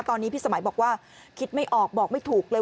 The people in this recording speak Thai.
ตอนนี้พี่สมัยบอกว่าคิดไม่ออกบอกไม่ถูกเลย